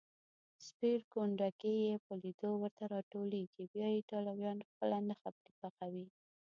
سپېرکونډکې یې په لېدو ورته راټولېږي، بیا ایټالویان خپله نښه پرې پخوي.